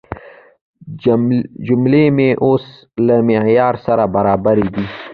جملې مې اوس له معیار سره برابرې دي.